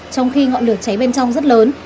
trong khi ngọn lửa cháy bên trong rất lớn